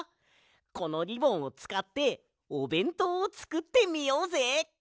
このリボンをつかっておべんとうをつくってみようぜ！